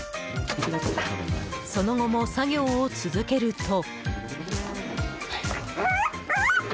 その後も作業を続けると。